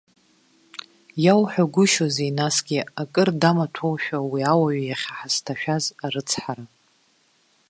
Иауҳәагәышьозеи, насгьы акыр дамаҭәоума уи ауаҩ иахьа ҳазҭашәаз арыцҳара?